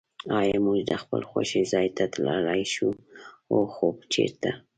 آیا موږ د خپل خوښي ځای ته تللای شوای؟ هو. خو چېرته؟